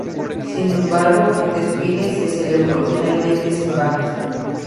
Sin embargo, el desfile se celebró finalmente sin bajas.